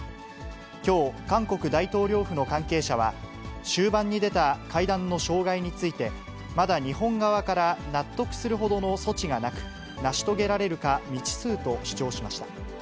きょう、韓国大統領府の関係者は、終盤に出た会談の障害について、まだ日本側から納得するほどの措置がなく、成し遂げられるか未知数と主張しました。